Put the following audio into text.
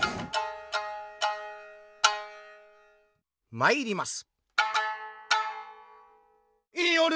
まいります。